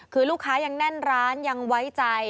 คือลูกค้ายังแน่นร้านยังไว้ใจ